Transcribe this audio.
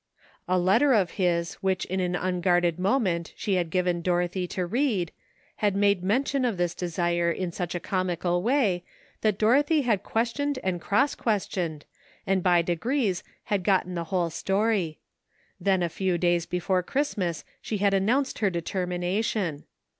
A letter of his which in an unguarded mo ment she had given Dorothy to read, had made mention of this desire in such a comical way that Dorothy had questioned and cross ques tioned, and by degrees had gotten the whole story. Then a few days before Christmas she had announced her determination.